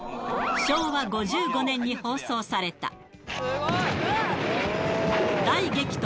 昭和５５年に放送された、大激闘！